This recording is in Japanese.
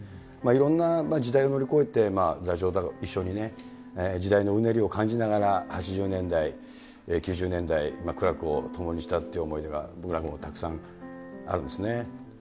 いろんな時代を乗り越えてダチョウと一緒に時代のうねりを感じながら、８０年代、９０年代、苦楽を共にしたという思いが、僕なんかもたくさんあるんですね。